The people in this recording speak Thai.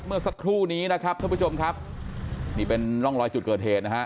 เมื่อสักครู่นี้นะครับท่านผู้ชมครับนี่เป็นร่องรอยจุดเกิดเหตุนะฮะ